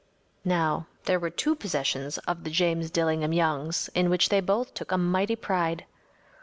Now, there were two possessions of the James Dillingham Youngs in which they both took a mighty pride.